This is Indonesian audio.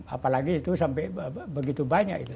apalagi itu sampai begitu banyak itu